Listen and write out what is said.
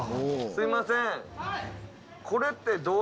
すいません